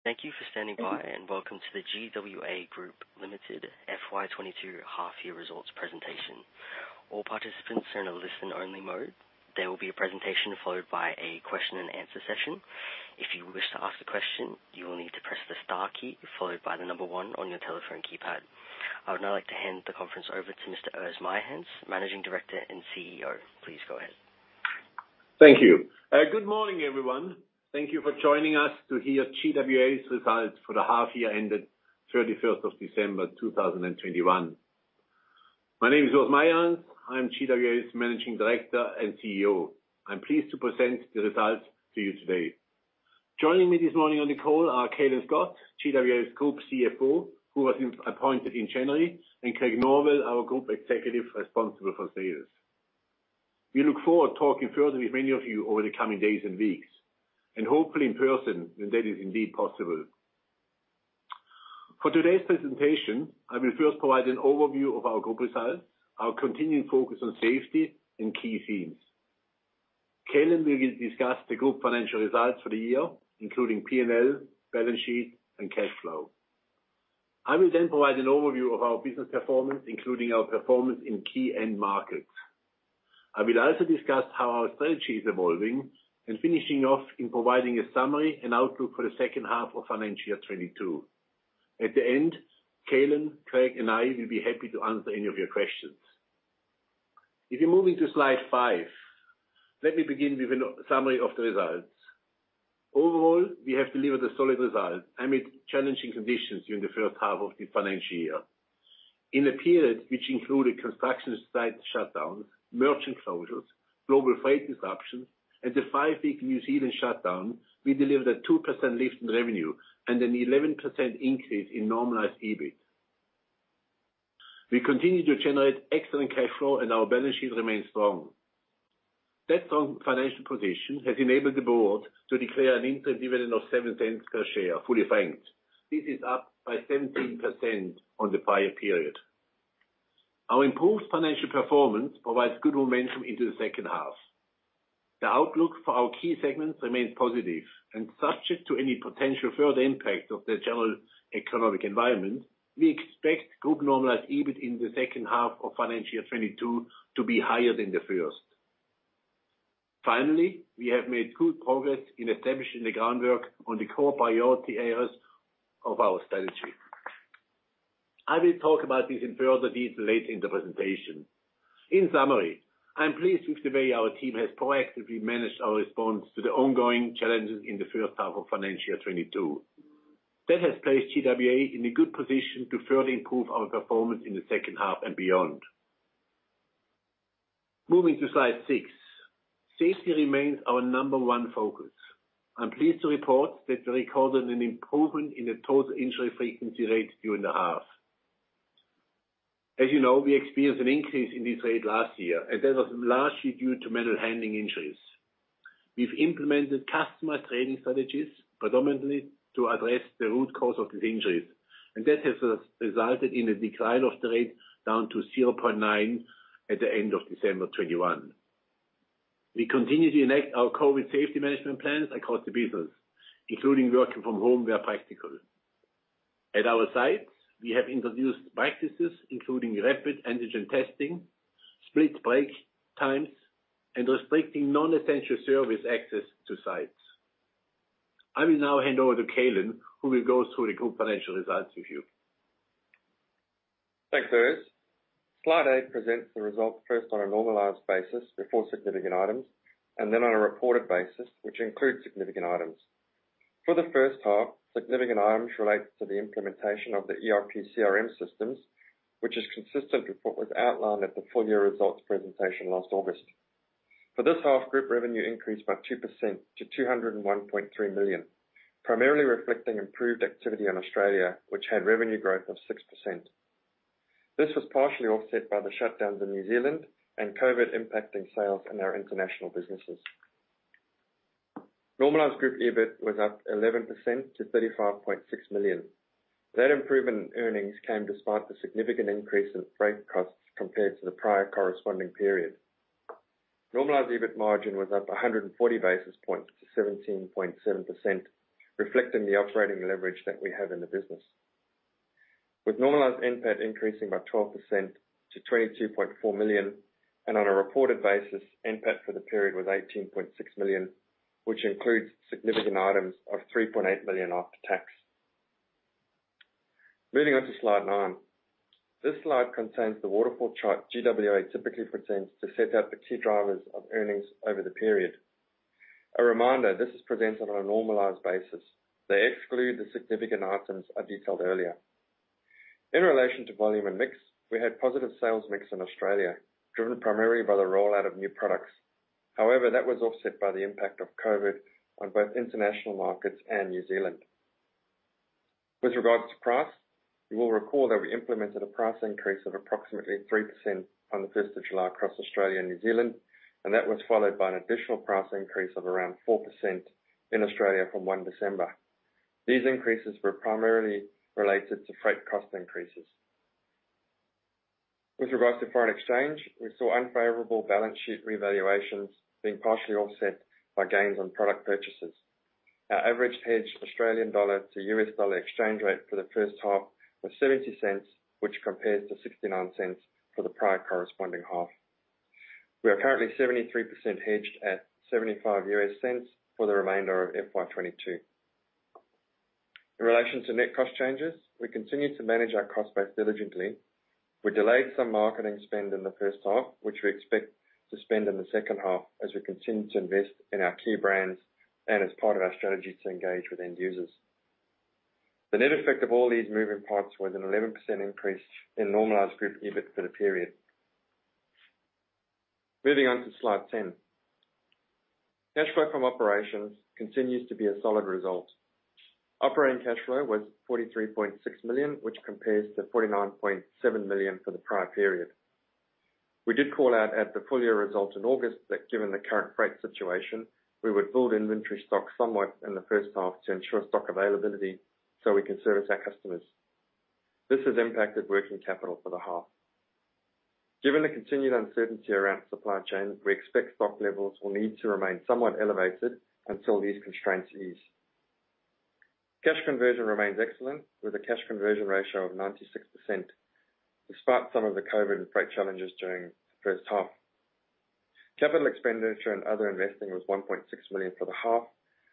Thank you for standing by, and welcome to the GWA Group Limited FY 2022 half year results presentation. All participants are in a listen-only mode. There will be a presentation followed by a question-and-answer session. If you wish to ask a question, you will need to press the star key followed by the number one on your telephone keypad. I would now like to hand the conference over to Mr. Urs Meyerhans, Managing Director and CEO. Please go ahead. Thank you. Good morning, everyone. Thank you for joining us to hear GWA's results for the half year ended 31st of December 2021. My name is Urs Meyerhans. I'm GWA's Managing Director and CEO. I'm pleased to present the results to you today. Joining me this morning on the call are Calin Scott, GWA's Group CFO, who was appointed in January, and Craig Norwell, our group executive responsible for sales. We look forward to talking further with many of you over the coming days and weeks, and hopefully in person when that is indeed possible. For today's presentation, I will first provide an overview of our group results, our continuing focus on safety and key themes. Calin will discuss the group financial results for the year, including P&L, balance sheet and cash flow. I will then provide an overview of our business performance, including our performance in key end markets. I will also discuss how our strategy is evolving and finishing off in providing a summary and outlook for the second half of financial year 2022. At the end, Calin, Craig, and I will be happy to answer any of your questions. If you move into slide five, let me begin with a summary of the results. Overall, we have delivered a solid result amid challenging conditions during the first half of the financial year. In a period which included construction site shutdown, merchant closures, global freight disruptions and the five-week New Zealand shutdown, we delivered a 2% lift in revenue and an 11% increase in normalized EBIT. We continue to generate excellent cash flow and our balance sheet remains strong. That strong financial position has enabled the board to declare an interim dividend of 0.07 per share, fully franked. This is up by 17% on the prior period. Our improved financial performance provides good momentum into the second half. The outlook for our key segments remains positive. Subject to any potential further impact of the general economic environment, we expect group normalized EBIT in the second half of financial year 2022 to be higher than the first. Finally, we have made good progress in establishing the groundwork on the core priority areas of our strategy. I will talk about this in further detail later in the presentation. In summary, I am pleased with the way our team has proactively managed our response to the ongoing challenges in the first half of financial year 2022. That has placed GWA in a good position to further improve our performance in the second half and beyond. Moving to slide six. Safety remains our number 1 focus. I'm pleased to report that we recorded an improvement in the Total Injury Frequency Rate during the half. As you know, we experienced an increase in this rate last year, and that was largely due to manual handling injuries. We've implemented customer training strategies predominantly to address the root cause of these injuries, and that has resulted in a decline of the rate down to 0.9 at the end of December 2021. We continue to enact our COVID safety management plans across the business, including working from home where practical. At our sites, we have introduced practices including rapid antigen testing, split break times, and restricting non-essential service access to sites. I will now hand over to Calin, who will go through the group financial results with you. Thanks, Urs. Slide eight presents the results first on a normalized basis before significant items, and then on a reported basis, which includes significant items. For the first half, significant items relate to the implementation of the ERP/CRM systems, which is consistent with what was outlined at the full year results presentation last August. For this half, group revenue increased by 2% to 201.3 million, primarily reflecting improved activity in Australia, which had revenue growth of 6%. This was partially offset by the shutdowns in New Zealand and COVID impacting sales in our international businesses. Normalized group EBIT was up 11% to 35.6 million. That improvement in earnings came despite the significant increase in freight costs compared to the prior corresponding period. Normalized EBIT margin was up 140 basis points to 17.7%, reflecting the operating leverage that we have in the business. With normalized NPAT increasing by 12% to 22.4 million and on a reported basis, NPAT for the period was 18.6 million, which includes significant items of 3.8 million after tax. Moving on to slide nine. This slide contains the waterfall chart GWA typically presents to set out the key drivers of earnings over the period. A reminder, this is presented on a normalized basis. They exclude the significant items I detailed earlier. In relation to volume and mix, we had positive sales mix in Australia, driven primarily by the rollout of new products. However, that was offset by the impact of COVID on both international markets and New Zealand. With regards to price, you will recall that we implemented a price increase of approximately 3% on the 5th of July across Australia and New Zealand, and that was followed by an additional price increase of around 4% in Australia from 1 December. These increases were primarily related to freight cost increases. With regards to foreign exchange, we saw unfavorable balance sheet revaluations being partially offset by gains on product purchases. Our average hedged Australian dollar to US dollar exchange rate for the first half was 0.70, which compares to 0.69 for the prior corresponding half. We are currently 73% hedged at 0.75 for the remainder of FY 2022. In relation to net cost changes, we continue to manage our cost base diligently. We delayed some marketing spend in the first half, which we expect to spend in the second half as we continue to invest in our key brands and as part of our strategy to engage with end users. The net effect of all these moving parts was an 11% increase in normalized group EBIT for the period. Moving on to slide 10. Cash flow from operations continues to be a solid result. Operating cash flow was 43.6 million, which compares to 49.7 million for the prior period. We did call out at the full year result in August that given the current freight situation, we would build inventory stock somewhat in the first half to ensure stock availability so we can service our customers. This has impacted working capital for the half. Given the continued uncertainty around supply chain, we expect stock levels will need to remain somewhat elevated until these constraints ease. Cash conversion remains excellent, with a cash conversion ratio of 96%, despite some of the COVID freight challenges during the first half. Capital expenditure and other investing was 1.6 million for the half,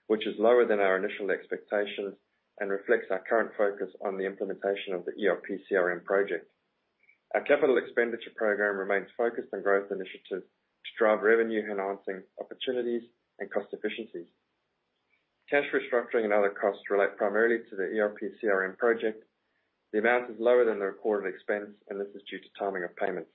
which is lower than our initial expectations and reflects our current focus on the implementation of the ERP/CRM project. Our capital expenditure program remains focused on growth initiatives to drive revenue-enhancing opportunities and cost efficiencies. Cash restructuring and other costs relate primarily to the ERP/CRM project. The amount is lower than the recorded expense, and this is due to timing of payments.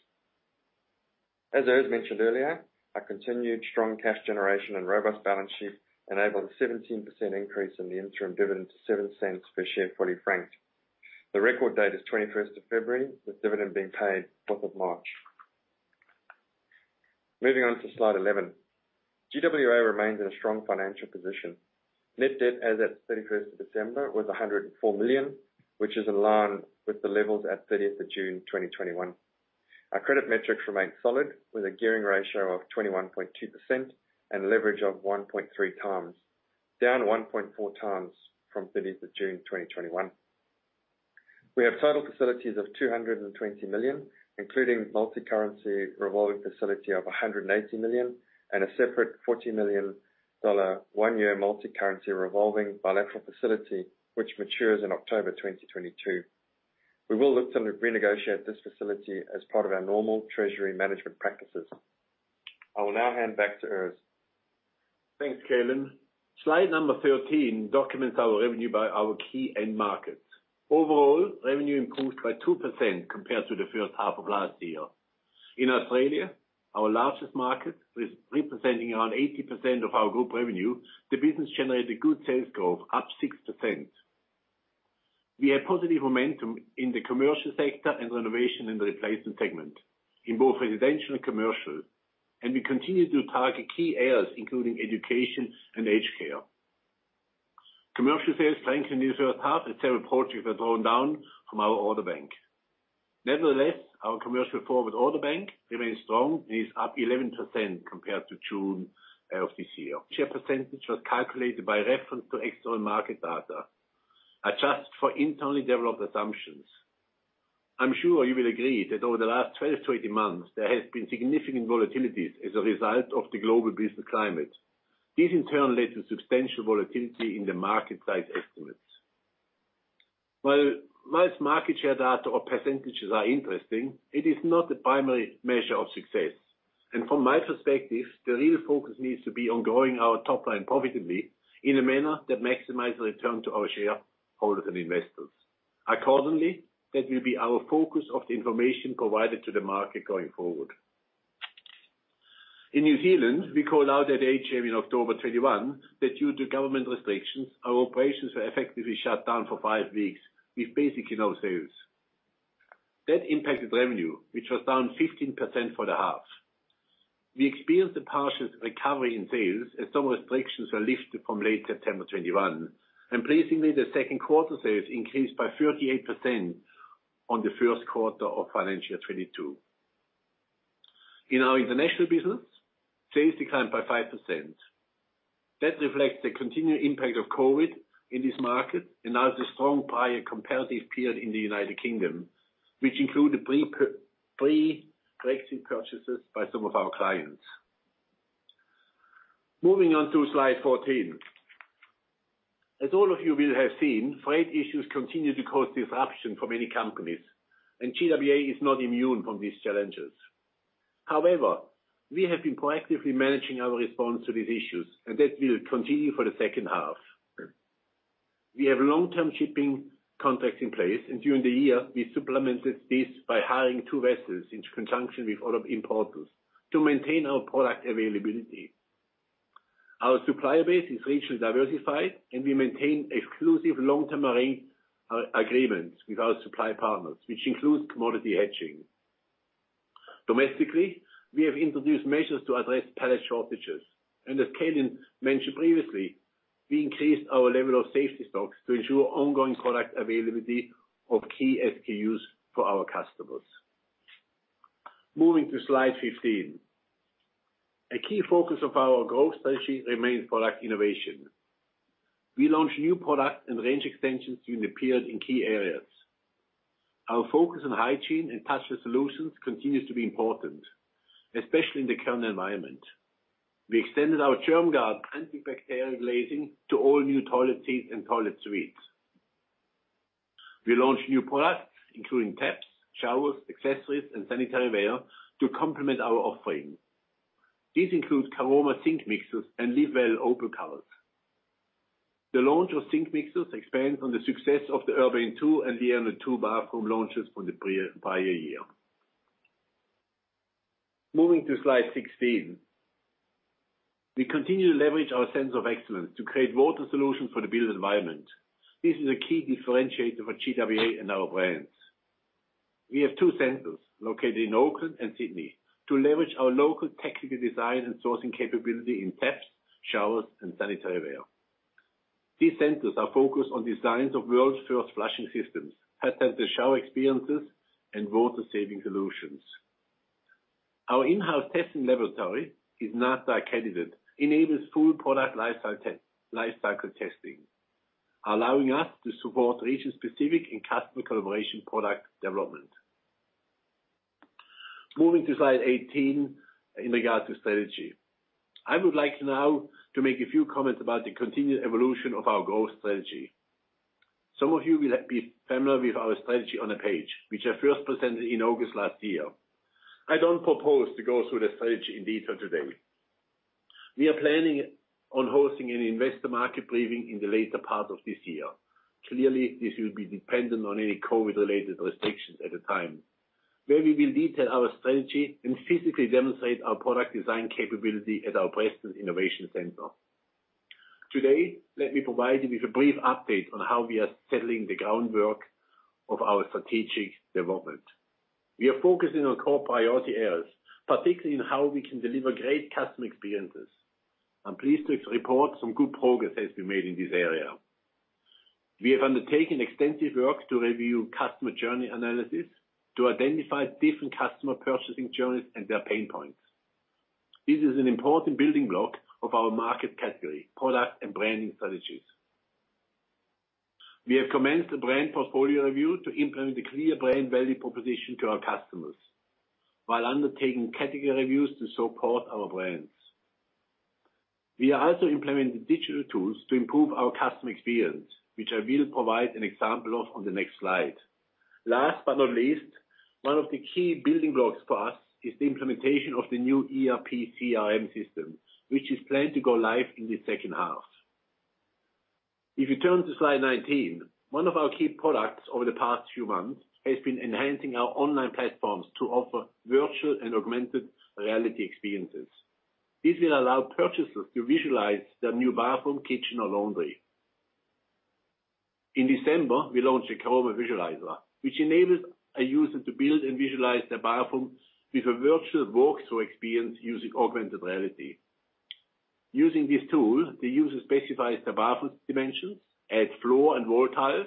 As Urs mentioned earlier, our continued strong cash generation and robust balance sheet enabled a 17% increase in the interim dividend to 0.07 per share fully franked. The record date is 21st of February, with dividend being paid 4th of March. Moving on to slide 11. GWA remains in a strong financial position. Net debt as at 31st of December was 104 million, which is in line with the levels at 30th of June 2021. Our credit metrics remain solid, with a gearing ratio of 21.2% and leverage of 1.3x, down 1.4x from 30th of June 2021. We have total facilities of 220 million, including multi-currency revolving facility of 180 million and a separate 40 million dollar 1-year multi-currency revolving bilateral facility, which matures in October 2022. We will look to renegotiate this facility as part of our normal treasury management practices. I will now hand back to Urs. Thanks, Calin. Slide number 13 documents our revenue by our key end markets. Overall, revenue improved by 2% compared to the first half of last year. In Australia, our largest market, which represents around 80% of our group revenue, the business generated good sales growth, up 6%. We have positive momentum in the commercial sector and renovation and replacement segment in both residential and commercial, and we continue to target key areas, including education and aged care. Commercial sales strengthened in the first half as several projects were drawn down from our order bank. Nevertheless, our commercial forward order bank remains strong and is up 11% compared to June of this year. Share percentage was calculated by reference to external market data, adjusted for internally developed assumptions. I'm sure you will agree that over the last 12-18 months, there has been significant volatilities as a result of the global business climate. This in turn led to substantial volatility in the market size estimates. While most market share data or percentages are interesting, it is not the primary measure of success. From my perspective, the real focus needs to be on growing our top line profitably in a manner that maximizes return to our shareholders and investors. Accordingly, that will be our focus of the information provided to the market going forward. In New Zealand, we called out at AGM in October 2021 that due to government restrictions, our operations were effectively shut down for five weeks with basically no sales. That impacted revenue, which was down 15% for the half. We experienced a partial recovery in sales as some restrictions were lifted from late September 2021. Pleasingly, the second quarter sales increased by 38% on the first quarter of FY 2022. In our international business, sales declined by 5%. That reflects the continuing impact of COVID in this market and now the strong prior competitive period in the United Kingdom, which included pre-Brexit purchases by some of our clients. Moving on to slide 14. As all of you will have seen, freight issues continue to cause disruption for many companies, and GWA is not immune from these challenges. However, we have been proactively managing our response to these issues, and that will continue for the second half. We have long-term shipping contracts in place, and during the year, we supplemented this by hiring two vessels in conjunction with other importers to maintain our product availability. Our supplier base is regionally diversified, and we maintain exclusive long-term arrangements with our supply partners, which includes commodity hedging. Domestically, we have introduced measures to address pallet shortages. As Calin mentioned previously, we increased our level of safety stocks to ensure ongoing product availability of key SKUs for our customers. Moving to slide 15. A key focus of our growth strategy remains product innovation. We launched new product and range extensions during the period in key areas. Our focus on hygiene and touchless solutions continues to be important, especially in the current environment. We extended our GermGard antibacterial glazing to all new toilet seats and toilet suites. We launched new products, including taps, showers, accessories, and sanitary ware to complement our offering. These include Caroma sink mixers and Liano opal colors. The launch of sink mixers expands on the success of the Urbane II and the Liano II bathroom launches from the pre-prior year. Moving to slide 16. We continue to leverage our centers of excellence to create water solutions for the built environment. This is a key differentiator for GWA and our brands. We have two centers located in Auckland and Sydney to leverage our local technical design and sourcing capability in taps, showers and sanitary ware. These centers are focused on designs of world-first flushing systems, high-pressure shower experiences, and water-saving solutions. Our in-house testing laboratory is NATA accredited, enables full product lifecycle testing, allowing us to support region-specific and customer collaboration product development. Moving to slide 18 in regards to strategy. I would like now to make a few comments about the continued evolution of our growth strategy. Some of you will be familiar with our strategy on a page, which I first presented in August last year. I don't propose to go through the strategy in detail today. We are planning on hosting an Investor Market Briefing in the later part of this year. Clearly, this will be dependent on any COVID-related restrictions at the time, where we will detail our strategy and physically demonstrate our product design capability at our Preston Innovation Center. Today, let me provide you with a brief update on how we are laying the groundwork of our strategic development. We are focusing on core priority areas, particularly in how we can deliver great customer experiences. I'm pleased to report some good progress has been made in this area. We have undertaken extensive work to review customer journey analysis to identify different customer purchasing journeys and their pain points. This is an important building block of our market category, product and branding strategies. We have commenced a brand portfolio review to implement a clear brand value proposition to our customers while undertaking category reviews to support our brands. We are also implementing digital tools to improve our customer experience, which I will provide an example of on the next slide. Last but not least, one of the key building blocks for us is the implementation of the new ERP/CRM system, which is planned to go live in the second half. If you turn to slide 19, one of our key products over the past few months has been enhancing our online platforms to offer virtual and augmented reality experiences. This will allow purchasers to visualize their new bathroom, kitchen or laundry. In December, we launched a Caroma Visualiser, which enables a user to build and visualize their bathroom with a virtual walkthrough experience using augmented reality. Using this tool, the user specifies the bathroom dimensions, adds floor and wall tiles,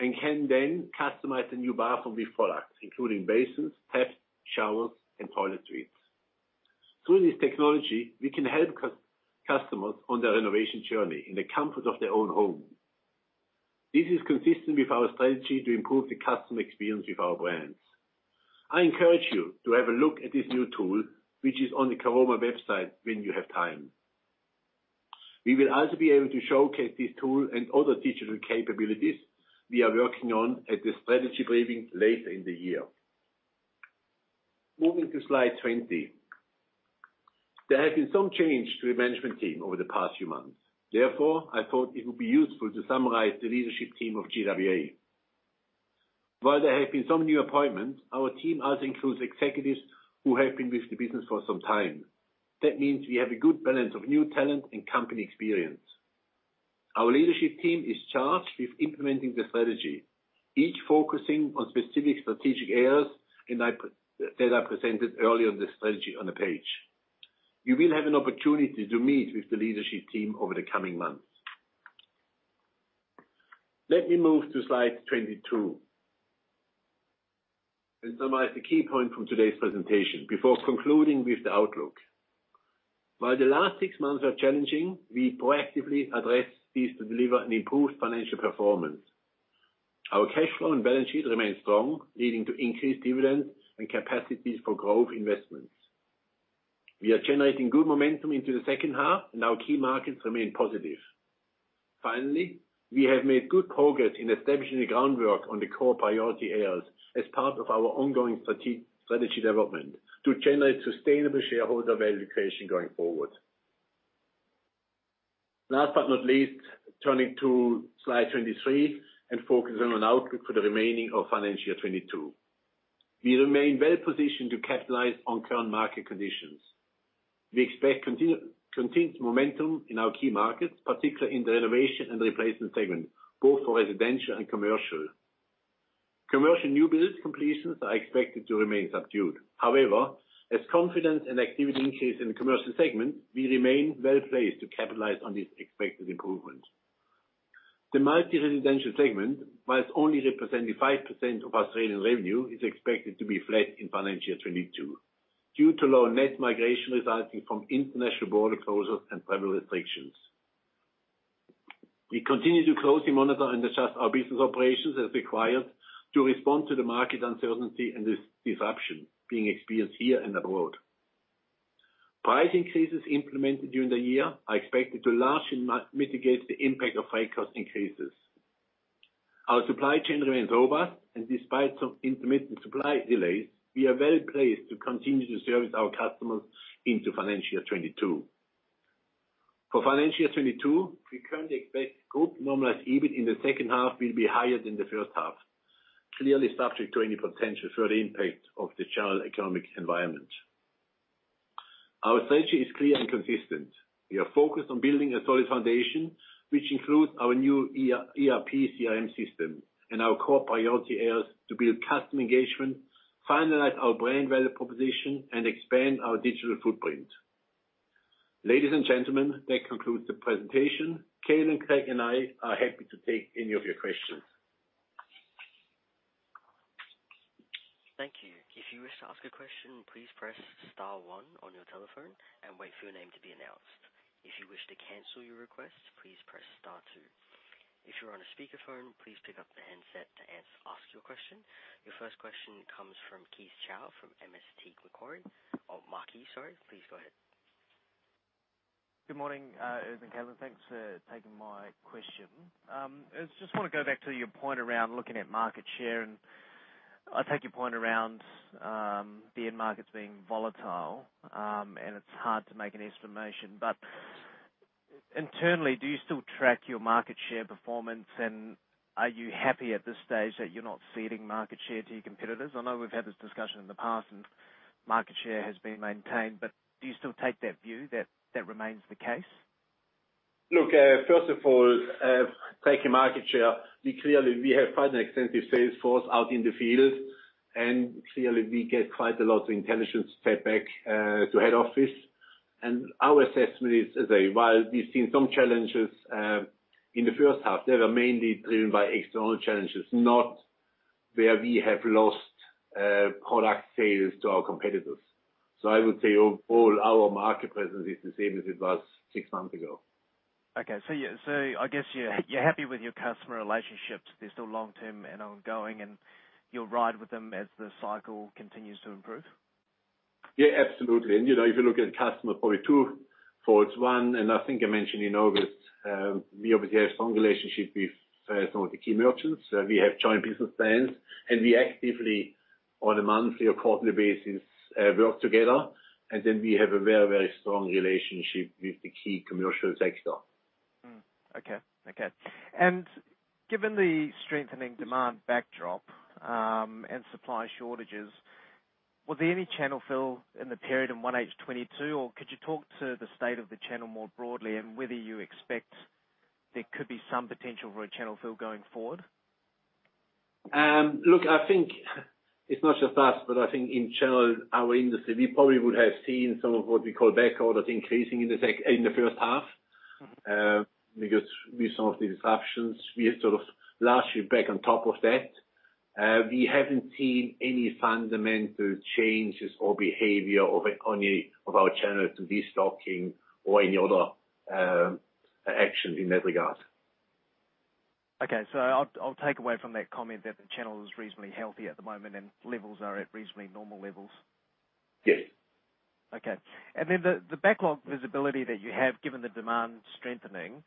and can then customize the new bathroom with products, including basins, taps, showers and toilet suites. Through this technology, we can help customers on their renovation journey in the comfort of their own home. This is consistent with our strategy to improve the customer experience with our brands. I encourage you to have a look at this new tool, which is on the Caroma website when you have time. We will also be able to showcase this tool and other digital capabilities we are working on at the strategy briefing later in the year. Moving to slide 20. There has been some change to the management team over the past few months. Therefore, I thought it would be useful to summarize the leadership team of GWA. While there have been some new appointments, our team also includes executives who have been with the business for some time. That means we have a good balance of new talent and company experience. Our leadership team is charged with implementing the strategy, each focusing on specific strategic areas and that I presented earlier in the strategy on the page. You will have an opportunity to meet with the leadership team over the coming months. Let me move to slide 22 and summarize the key point from today's presentation before concluding with the outlook. While the last six months are challenging, we proactively address these to deliver an improved financial performance. Our cash flow and balance sheet remain strong, leading to increased dividends and capacities for growth investments. We are generating good momentum into the second half, and our key markets remain positive. Finally, we have made good progress in establishing the groundwork on the core priority areas as part of our ongoing strategy development to generate sustainable shareholder value creation going forward. Last but not least, turning to slide 23 and focusing on outlook for the remainder of FY 2022. We remain well positioned to capitalize on current market conditions. We expect continued momentum in our key markets, particularly in the renovation and replacement segment, both for residential and commercial. Commercial new build completions are expected to remain subdued. However, as confidence and activity increase in the commercial segment, we remain well-placed to capitalize on this expected improvement. The multi-residential segment, while only representing 5% of Australian revenue, is expected to be flat in FY 2022 due to low net migration resulting from international border closures and travel restrictions. We continue to closely monitor and adjust our business operations as required to respond to the market uncertainty and disruption being experienced here and abroad. Price increases implemented during the year are expected to largely mitigate the impact of freight cost increases. Our supply chain remains robust, and despite some intermittent supply delays, we are well placed to continue to service our customers into FY 2022. For FY 2022, we currently expect group normalized EBIT in the second half will be higher than the first half. Clearly subject to any potential further impact of the general economic environment. Our strategy is clear and consistent. We are focused on building a solid foundation, which includes our new ERP/CRM system. Our core priority is to build customer engagement, finalize our brand value proposition, and expand our digital footprint. Ladies and gentlemen, that concludes the presentation. Calin, Craig, and I are happy to take any of your questions. Thank you. If you wish to ask a question, please press star one on your telephone and wait for your name to be announced. If you wish to cancel your request, please press star two. If you're on a speakerphone, please pick up the handset to ask your question. Your first question comes from Keith Chau from MST Marquee. Or Marquee, sorry. Please go ahead. Good morning, Urs and Calin. Thanks for taking my question. I just wanna go back to your point around looking at market share, and I take your point around the end markets being volatile, and it's hard to make an estimation. But internally, do you still track your market share performance and are you happy at this stage that you're not ceding market share to your competitors? I know we've had this discussion in the past and market share has been maintained, but do you still take that view that that remains the case? Look, first of all, taking market share, we clearly have quite an extensive sales force out in the field, and clearly we get quite a lot of intelligent feedback to head office. Our assessment is that while we've seen some challenges in the first half, they were mainly driven by external challenges, not where we have lost product sales to our competitors. I would say overall our market presence is the same as it was six months ago. Okay. Yeah, so I guess you're happy with your customer relationships. They're still long-term and ongoing, and you'll ride with them as the cycle continues to improve. Yeah, absolutely. You know, if you look at customer probably two, for one, and I think I mentioned in August, we obviously have strong relationship with some of the key merchants. We have joint business plans. We actively on a monthly or quarterly basis work together. Then we have a very, very strong relationship with the key commercial sector. Given the strengthening demand backdrop and supply shortages, were there any channel fill in the period in 1H 2022 or could you talk to the state of the channel more broadly and whether you expect there could be some potential for a channel fill going forward? Look, I think it's not just us, but I think in general our industry, we probably would have seen some of what we call backorders increasing in the first half. Mm-hmm. Because with some of the disruptions, we are sort of largely back on top of that. We haven't seen any fundamental changes or behavior of any of our channels to destocking or any other actions in that regard. Okay. I'll take away from that comment that the channel is reasonably healthy at the moment and levels are at reasonably normal levels. Yes. Okay. The backlog visibility that you have given the demand strengthening,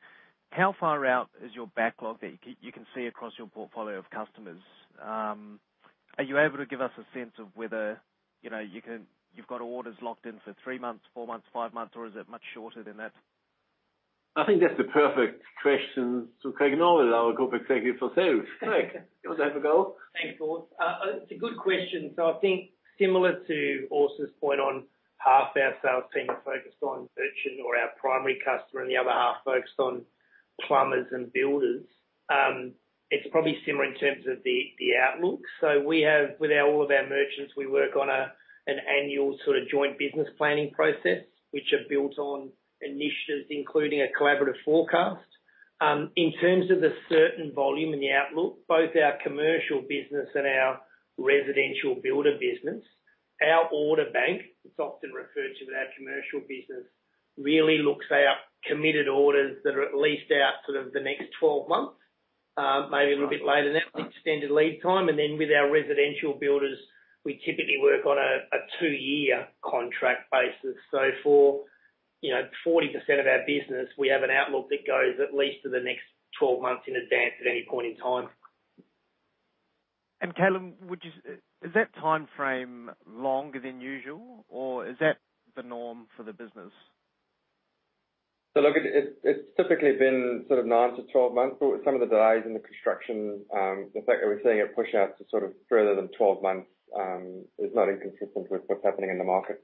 how far out is your backlog that you can see across your portfolio of customers? Are you able to give us a sense of whether, you know, you've got orders locked in for three months, four months, five months, or is it much shorter than that? I think that's the perfect question to Craig Norwell, our group executive for sales. Craig, do you want to have a go? Thanks, Urs. It's a good question. I think similar to Urs's point on half our sales team are focused on merchants or our primary customer and the other half focused on plumbers and builders. It's probably similar in terms of the outlook. We have with all of our merchants we work on an annual sort of joint business planning process which are built on initiatives including a collaborative forecast. In terms of the current volume and the outlook both our commercial business and our residential builder business our order bank it's often referred to with our commercial business really looks out committed orders that are at least out the next 12 months maybe a little bit later than that with extended lead time. Then with our residential builders we typically work on a 2-year contract basis. For, you know, 40% of our business, we have an outlook that goes at least to the next 12 months in advance at any point in time. Calin, is that timeframe longer than usual or is that the norm for the business? Look, it's typically been sort of nine to 12 months, but with some of the delays in the construction, the fact that we're seeing it push out to sort of further than 12 months is not inconsistent with what's happening in the market.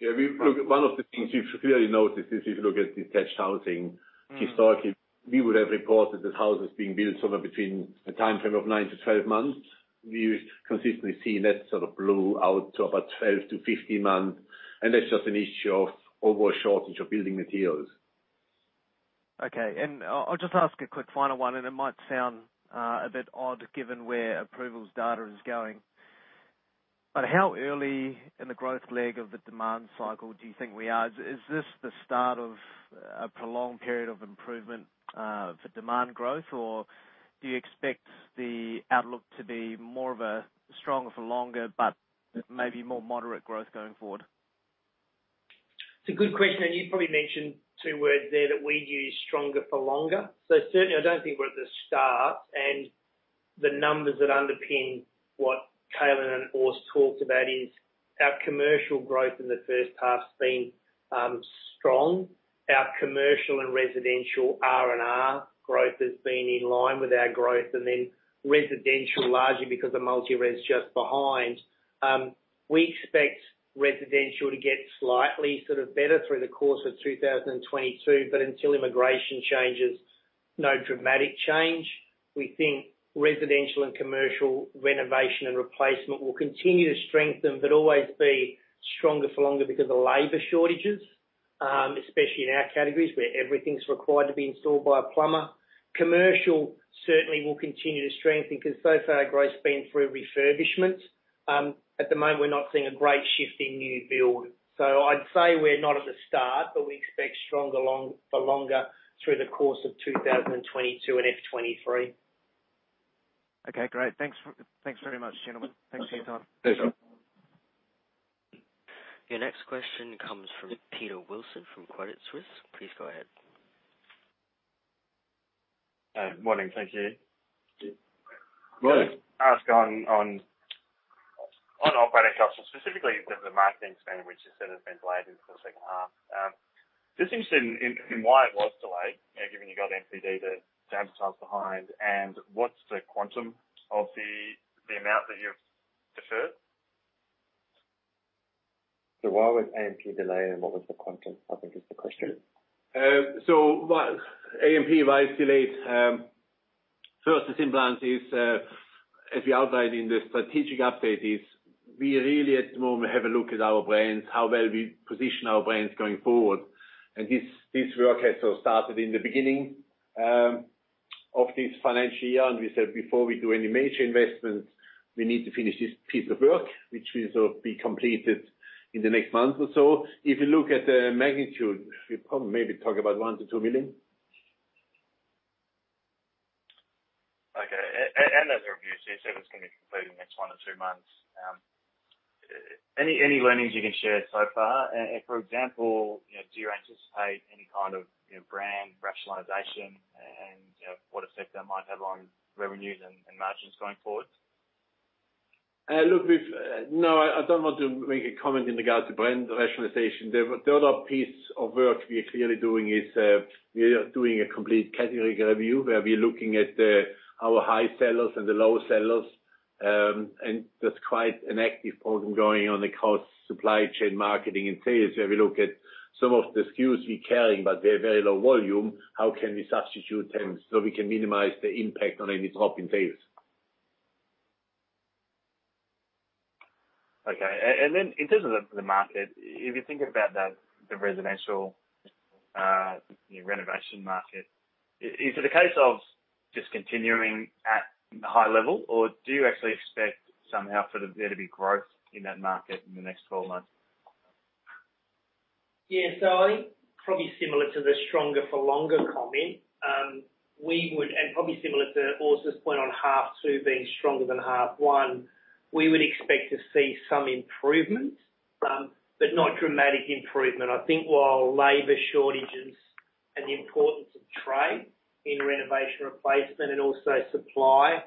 Look, one of the things you've clearly noticed is if you look at detached housing historically. Mm. We would have reported that houses being built somewhere between a timeframe of nine to 12 months. We've consistently seen that sort of blowout to about 12-15 months, and that's just an issue of overall shortage of building materials. Okay. I'll just ask a quick final one, and it might sound a bit odd given where approvals data is going. But how early in the growth leg of the demand cycle do you think we are? Is this the start of a prolonged period of improvement for demand growth? Or do you expect the outlook to be more of a stronger for longer but maybe more moderate growth going forward? It's a good question, and you probably mentioned two words there that we use: stronger for longer. Certainly I don't think we're at the start. The numbers that underpin what Calin and Urs talked about is our commercial growth in the first half's been strong. Our commercial and residential R&R growth has been in line with our growth and then residential largely because of multi-res just behind. We expect residential to get slightly sort of better through the course of 2022, but until immigration changes, no dramatic change. We think residential and commercial renovation and replacement will continue to strengthen but always be stronger for longer because of labor shortages, especially in our categories, where everything's required to be installed by a plumber. Commercial certainly will continue to strengthen because so far our growth's been through refurbishment. At the moment, we're not seeing a great shift in new build. I'd say we're not at the start, but we expect stronger for longer through the course of 2022 and FY 2023. Okay, great. Thanks very much, gentlemen. Thanks for your time. Pleasure. Your next question comes from Peter Wilson from Credit Suisse. Please go ahead. Morning. Thank you. Morning. Question on operating costs, and specifically the marketing spend, which you said has been delayed into the second half. Just interested in why it was delayed, you know, given you got NPD that's downsized behind, and what's the quantum of the amount that you've deferred? Why was A&MP delayed, and what was the quantum? I think is the question. Why A&MP was delayed, first, the simple answer is, as we outlined in the strategic update, is we really at the moment have a look at our brands, how well we position our brands going forward. This work had sort of started in the beginning of this financial year. We said before we do any major investments, we need to finish this piece of work, which will sort of be completed in the next month or so. If you look at the magnitude, we probably maybe talk about 1 million-2 million. Okay. As a review, so you said it was gonna be completed in the next one to two months. Any learnings you can share so far? For example, you know, do you anticipate any kind of, you know, brand rationalization and, you know, what effect that might have on revenues and margins going forward? Look, I don't want to make a comment in regards to brand rationalization. The other piece of work we are clearly doing is a complete category review where we're looking at our high sellers and the low sellers. That's quite an active program going on across supply chain marketing and sales, where we look at some of the SKUs we carry, but they're very low volume, how can we substitute them so we can minimize the impact on any drop in sales? Okay. Then in terms of the market, if you think about the residential, you know, renovation market, is it a case of just continuing at high level? Or do you actually expect somehow for there to be growth in that market in the next 12 months? Yeah. I think probably similar to the stronger for longer comment. Probably similar to Urs's point on half two being stronger than half one, we would expect to see some improvement, but not dramatic improvement. I think, while labor shortages and the importance of trade in renovation replacement and also supply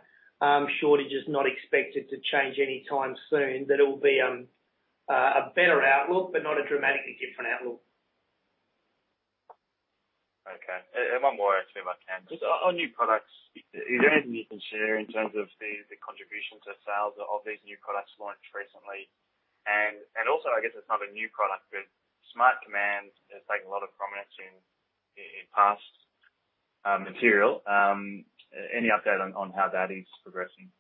shortage is not expected to change any time soon, that it will be a better outlook, but not a dramatically different outlook. Okay. One more actually, if I can. Just on new products, is there anything you can share in terms of the contribution to sales of these new products launched recently? Also, I guess it's not a new product, but Smart Command has taken a lot of prominence in past material. Any update on how that is progressing?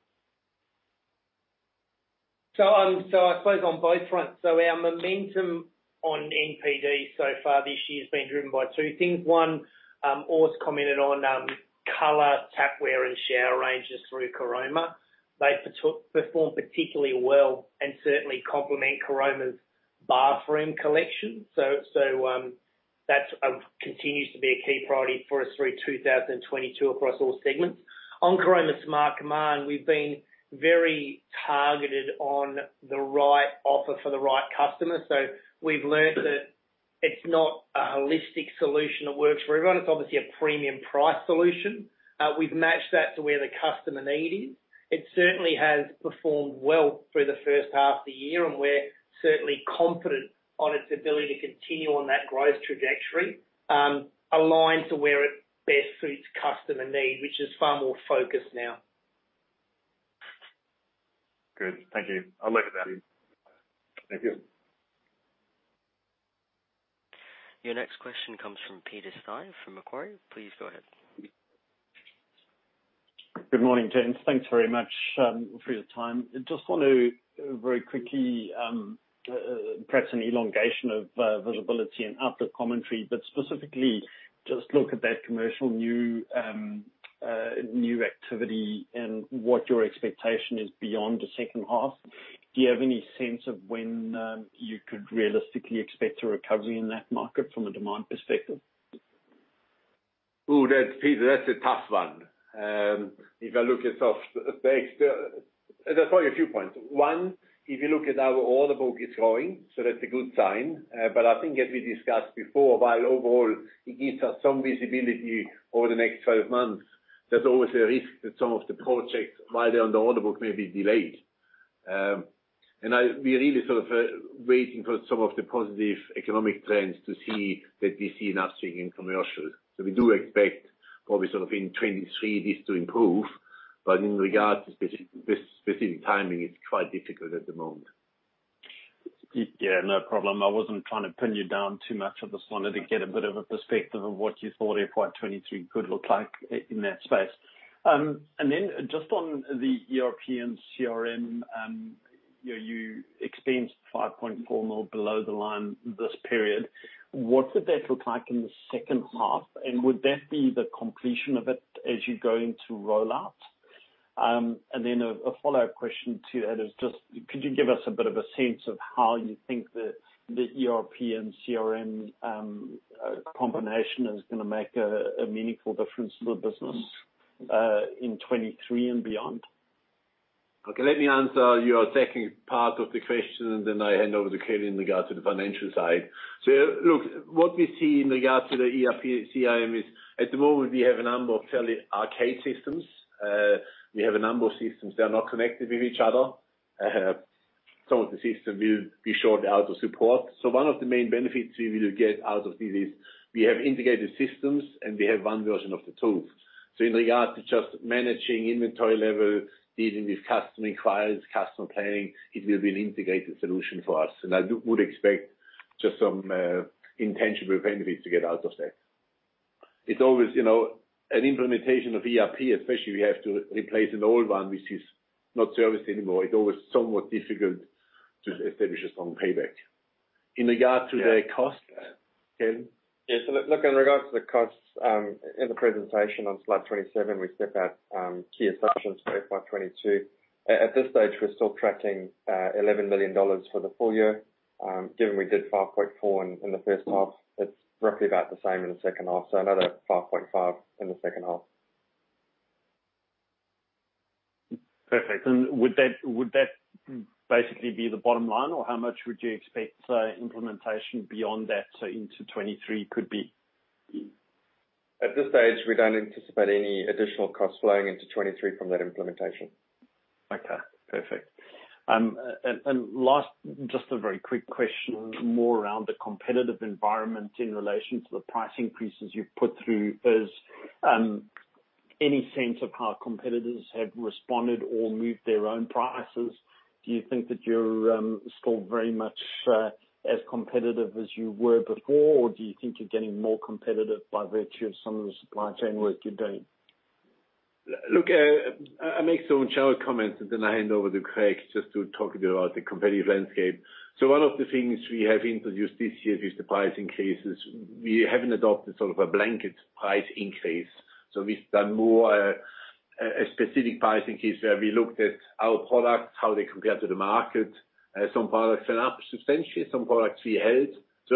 I suppose on both fronts. Our momentum on NPD so far this year has been driven by two things. One, Urs commented on coloured tapware and shower ranges through Caroma. They performed particularly well and certainly complement Caroma's bathroom collection. That continues to be a key priority for us through 2022 across all segments. On Caroma Smart Command, we've been very targeted on the right offer for the right customer. We've learned that it's not a holistic solution that works for everyone. It's obviously a premium price solution. We've matched that to where the customer need is. It certainly has performed well through the first half of the year, and we're certainly confident on its ability to continue on that growth trajectory, aligned to where it best suits customer need, which is far more focused now. Good. Thank you. I'll look at that. Thank you. Your next question comes from Peter Steyn from Macquarie. Please go ahead. Good morning, gents. Thanks very much for your time. I just want to very quickly perhaps an elaboration of visibility and output commentary, but specifically just look at that commercial new activity and what your expectation is beyond the second half. Do you have any sense of when you could realistically expect a recovery in that market from a demand perspective? Ooh, Peter, that's a tough one. If I look at sort of the base. There's probably a few points. One, if you look at our order book, it's growing, so that's a good sign. But I think as we discussed before, while overall it gives us some visibility over the next 12 months, there's always a risk that some of the projects, while they're on the order book, may be delayed. We're really sort of waiting for some of the positive economic trends to see that we see an upswing in commercial. We do expect probably sort of in 2023 this to improve, but in regards to this specific timing, it's quite difficult at the moment. Yeah, no problem. I wasn't trying to pin you down too much. I just wanted to get a bit of a perspective of what you thought FY 2023 could look like in that space. Then just on the ERP and CRM, you know, you experienced 5.4 million below the line this period. What would that look like in the second half? Would that be the completion of it as you go into rollout? Then a follow-up question to that is just could you give us a bit of a sense of how you think the ERP and CRM combination is gonna make a meaningful difference to the business in 2023 and beyond? Okay, let me answer your second part of the question, and then I hand over to Calin in regards to the financial side. Look, what we see in regards to the ERP/CRM is at the moment we have a number of fairly archaic systems. We have a number of systems that are not connected with each other. Some of the systems will be shortly out of support. One of the main benefits we will get out of this is we have integrated systems, and we have one version of the tool. In regards to just managing inventory levels, dealing with customer inquiries, customer planning, it will be an integrated solution for us. I would expect just some tangible benefits to get out of that. It's always, you know, an implementation of ERP, especially if we have to replace an old one which is not serviced anymore. It's always somewhat difficult to establish a strong payback. In regard to the costs, Calin? Yes. Look, in regards to the costs, in the presentation on slide 27, we set out key assumptions for FY 2022. At this stage, we're still tracking 11 million dollars for the full year. Given we did 5.4 million in the first half, it's roughly about the same in the second half, so another 5.5 million in the second half. Perfect. Would that basically be the bottom line, or how much would you expect implementation beyond that, so into 2023 could be? At this stage, we don't anticipate any additional costs flowing into 2023 from that implementation. Okay. Perfect. Last, just a very quick question, more around the competitive environment in relation to the price increases you've put through. Is there any sense of how competitors have responded or moved their own prices? Do you think that you're still very much as competitive as you were before, or do you think you're getting more competitive by virtue of some of the supply chain work you're doing? Look, I'll make some general comments, and then I hand over to Craig just to talk about the competitive landscape. One of the things we have introduced this year with the price increases, we haven't adopted sort of a blanket price increase. We've done more, a specific price increase where we looked at our products, how they compare to the market. Some products went up substantially, some products we held.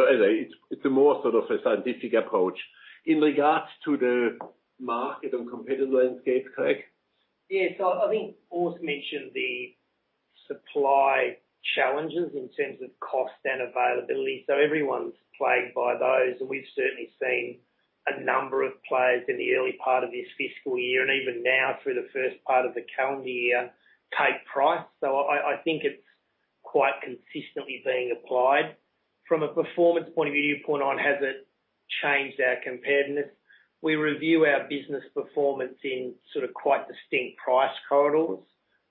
Anyway, it's a more sort of a scientific approach. In regards to the market and competitive landscape, Craig? I think Urs mentioned the supply challenges in terms of cost and availability. Everyone's plagued by those. We've certainly seen a number of players in the early part of this fiscal year, and even now through the first part of the calendar year, take price. I think it's quite consistently being applied. From a performance point of view, it hasn't changed our competitiveness. We review our business performance in sort of quite distinct price corridors.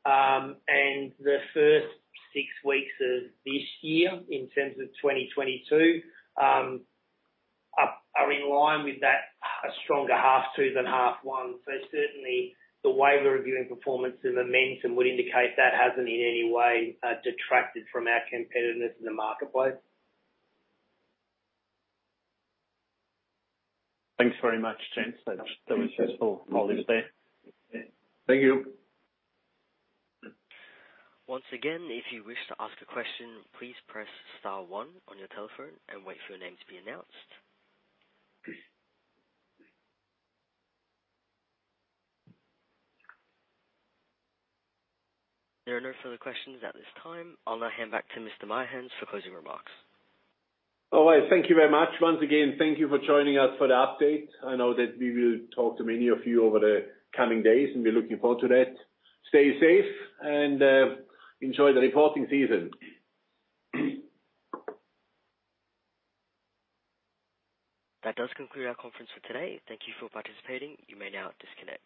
The first six weeks of this year, in terms of 2022, are in line with that a stronger half two than half one. Certainly the way we're reviewing performance and momentum would indicate that hasn't in any way detracted from our competitiveness in the marketplace. Thanks very much, gents. That was useful. I'll leave it there. Thank you. Once again, if you wish to ask a question, please press star one on your telephone and wait for your name to be announced. There are no further questions at this time. I'll now hand back to Mr. Meyerhans for closing remarks. All right. Thank you very much. Once again, thank you for joining us for the update. I know that we will talk to many of you over the coming days, and we're looking forward to that. Stay safe and enjoy the reporting season. That does conclude our conference for today. Thank you for participating. You may now disconnect.